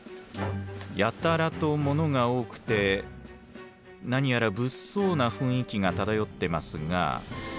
やたらとものが多くて何やら物騒な雰囲気が漂ってますが。